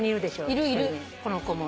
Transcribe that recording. いるいる。